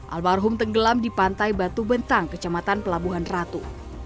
almarhum tenggelam di pantai batu bentang kecamatan pelabuhan ratu